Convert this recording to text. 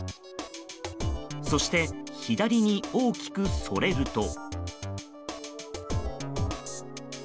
そして、左に大きくそれると。